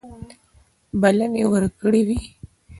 بلنې ورکړي وې.